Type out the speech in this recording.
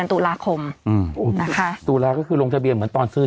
ลงทะเบียนในเดือนตุลาคมอืมนะคะตุลาคมก็คือลงทะเบียนเหมือนตอนซื้อ